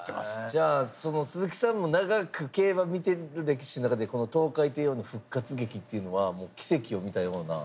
じゃあその鈴木さんも長く競馬見てる歴史の中でこのトウカイテイオーの復活劇っていうのはもう奇跡を見たような。